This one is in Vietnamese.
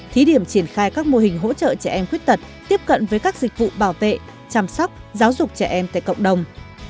thí điểm triển khai các mô hình hỗ trợ trẻ em khuyết tật tiếp cận với các dịch vụ bảo vệ chăm sóc giáo dục trẻ em tại cộng đồng